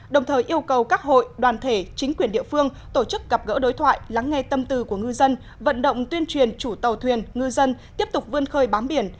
đồng thời yêu cầu các hội đoàn thể chính quyền địa phương tổ chức gặp gỡ đối thoại lắng nghe tâm tư của ngư dân vận động tuyên truyền chủ tàu thuyền ngư dân tiếp tục vươn khơi bám biển